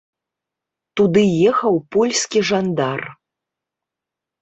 Туды ехаў польскі жандар.